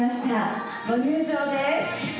ご入場です！